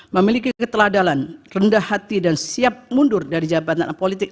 memiliki keteladalan rendah hati dan siap mundur dari jabatan politik